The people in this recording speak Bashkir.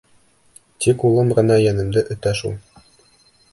Тик улым ғына йәнемде өтә шул.